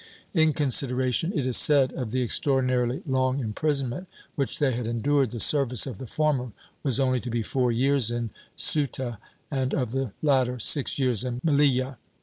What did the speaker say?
In consideration, it is said, of the extraordinarily long imprisonment which they had endured, the service of the former v/as only to be four years in Ceuta and of the latter six years in Melilla.